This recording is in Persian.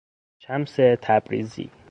شمس تبریزی